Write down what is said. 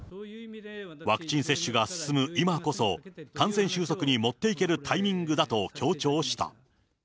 ワクチン接種が進む今こそ、感染収束に持っていけるタイミングだと強調した。